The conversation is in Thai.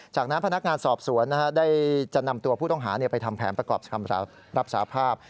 จากนั้นพนักงานสอบสวนได้จะนำตัวผู้ต้องหาไปทำแผนประกอบคำรับสาภาพ